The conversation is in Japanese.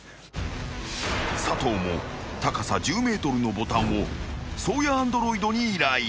［佐藤も高さ１０ｍのボタンを颯也アンドロイドに依頼］